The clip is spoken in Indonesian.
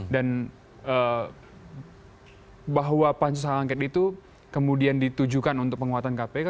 dan bahwa pancu sangangket itu kemudian ditujukan untuk penguatan kpk